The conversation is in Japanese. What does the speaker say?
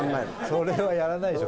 それはやらないでしょ